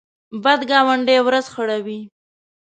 بد ګاونډی ورځ خړوي